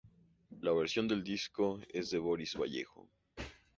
La versión del disco es de Boris Vallejo.